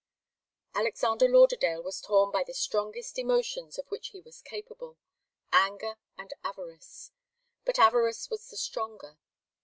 Alexander Lauderdale was torn by the strongest emotions of which he was capable anger and avarice. But avarice was the stronger.